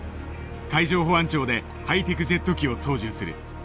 海上保安庁でハイテクジェット機を操縦する。